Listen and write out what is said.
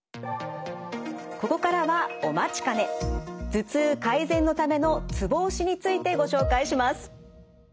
ここからはお待ちかね頭痛改善のためのツボ押しについてご紹介します。